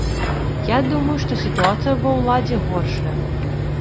Я думаю, што сітуацыя ва ўладзе горшая.